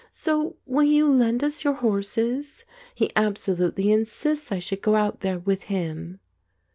So will you lend us your horses? He absolutely insists I should go out there with him."